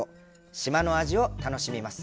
島の味を楽しみます。